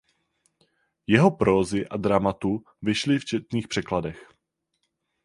Jeho prózy a dramatu vyšly v četných překladech.